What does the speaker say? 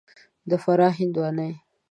د فراه هندوانې